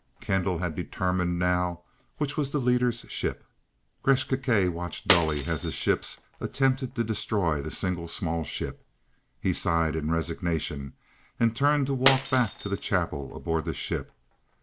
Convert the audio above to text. Kendall had determined now, which was the leader's ship. Gresth Gkae watched dully as his ships attempted to destroy the single, small ship. He sighed in resignation, and turned to walk back to the chapel aboard the ship.